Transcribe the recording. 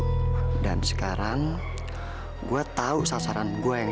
selama ini gue bener bener udah buang waktu dengan menyangka amira adalah anaknya prabu